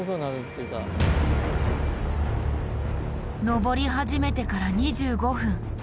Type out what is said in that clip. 上り始めてから２５分。